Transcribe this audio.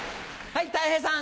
はい。